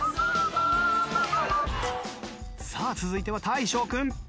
さあ続いては大昇君。